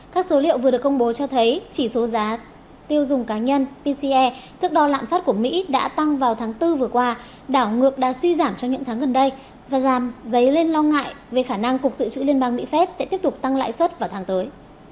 các số liệu vừa được công bố cho thấy chỉ số giá tiêu dùng cá nhân pce thức đo lạm phát của mỹ đã tăng vào tháng bốn vừa qua đảo ngược đã suy giảm trong những tháng gần đây và giảm dấy lên lo ngại về khả năng cục dự trữ liên bang mỹ phép sẽ tiếp tục tăng lãi suất vào tháng tới